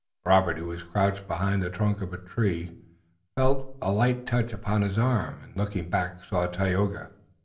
Robert, who was crouched behind the trunk of a great oak, felt a light touch upon his arm, and, looking back, saw Tayoga.